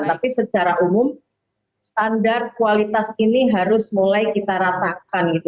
tapi secara umum standar kualitas ini harus mulai kita ratakan gitu